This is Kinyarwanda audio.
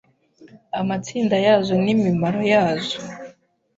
amatsinda yazo n’imimaro yazo